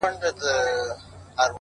صبر چي تا د ژوند؛ د هر اړخ استاده کړمه؛